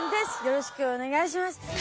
よろしくお願いします